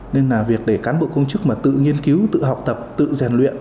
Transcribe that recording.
nên việc để cán bộ công chức tự nghiên cứu tự học tập tự rèn luyện